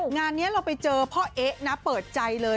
งานนี้เราไปเจอพ่อเอ๊ะนะเปิดใจเลย